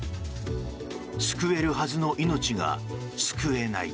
救えるはずの命が救えない。